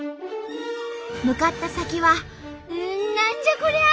向かった先は何じゃ？